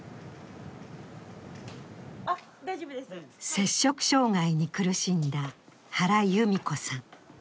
摂食障害に苦しんだ原裕美子さん。